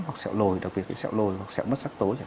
hoặc sẹo lồi đặc biệt cái sẹo lồi hoặc sẹo mất sắc tố